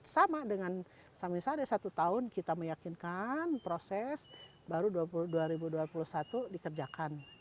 sama dengan misalnya satu tahun kita meyakinkan proses baru dua ribu dua puluh satu dikerjakan